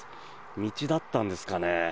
道だったんですかね。